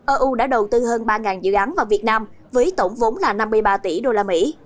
eu đã đầu tư hơn ba dự án vào việt nam với tổng vốn là năm mươi ba tỷ usd